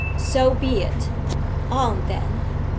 'So be it. On, then!